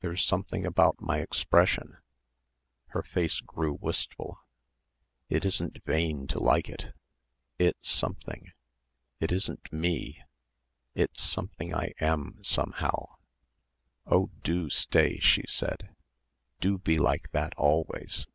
There's something about my expression." Her face grew wistful. "It isn't vain to like it. It's something. It isn't me. It's something I am, somehow. Oh, do stay," she said, "do be like that always."